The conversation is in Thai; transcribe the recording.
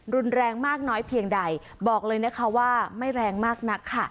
รุนแรงมากน้อยเพียงใดบอกเลยนะคะว่าไม่แรงมากนักค่ะ